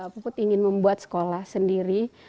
puput ingin membuat sekolah sendiri